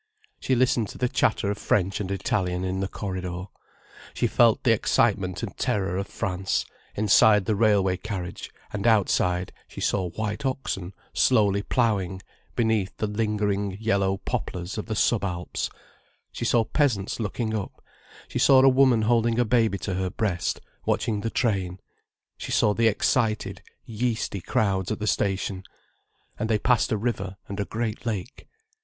She listened to the chatter of French and Italian in the corridor. She felt the excitement and terror of France, inside the railway carriage: and outside she saw white oxen slowly ploughing, beneath the lingering yellow poplars of the sub Alps, she saw peasants looking up, she saw a woman holding a baby to her breast, watching the train, she saw the excited, yeasty crowds at the station. And they passed a river, and a great lake.